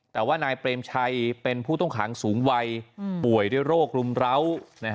แต่ว่านายเปรมชัยเป็นผู้ต้องขังสูงวัยป่วยด้วยโรครุมร้าว